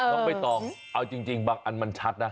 ต้องไปต่อเอาจริงบักอันมันชัดนะ